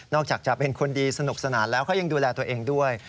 อกจากจะเป็นคนดีสนุกสนานแล้วเขายังดูแลตัวเองด้วย